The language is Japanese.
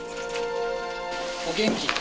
お元気？